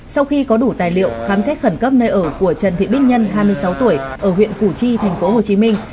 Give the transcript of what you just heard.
sau khi có đủ tài liệu khám xét khẩn cấp nơi ở của trần thị bích nhân hai mươi sáu tuổi ở huyện củ chi thành phố hồ chí minh